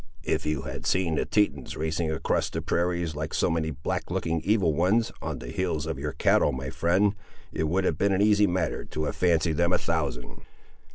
"If you had seen the Tetons racing across the prairies, like so many black looking evil ones, on the heels of your cattle, my friend, it would have been an easy matter to have fancied them a thousand."